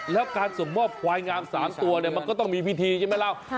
แล้วการส่งมอบควายงาม๓ตัวเนี่ยมันก็ต้องมีพิธีใช่ไหมเรา